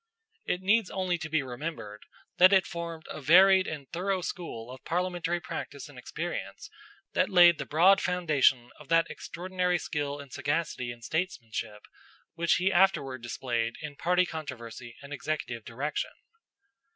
It needs only to be remembered that it formed a varied and thorough school of parliamentary practice and experience that laid the broad foundation of that extraordinary skill and sagacity in statesmanship which he afterward displayed in party controversy and executive direction.